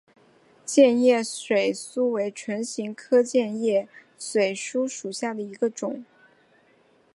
箭叶水苏为唇形科箭叶水苏属下的一个种。